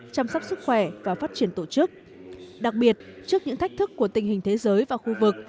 chăm sóc sức khỏe và phát triển tổ chức đặc biệt trước những thách thức của tình hình thế giới và khu vực